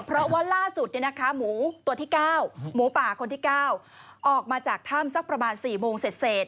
เพราะว่าล่าสุดหมูตัวที่๙หมูป่าคนที่๙ออกมาจากถ้ำสักประมาณ๔โมงเสร็จ